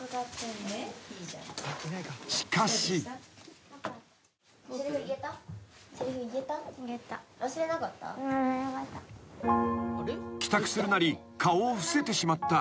［しかし］［帰宅するなり顔を伏せてしまった］